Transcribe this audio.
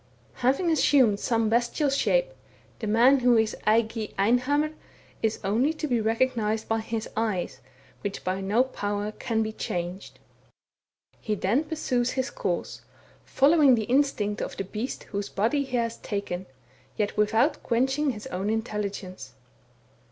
Having assumed some bestial shape, the man who is eigieinhammris only to be recognized by his eyes, which by no power can be changed. He then pursues his course, follows the instincts of the beast whose body he has taken, yet without quenching his own intelli gence.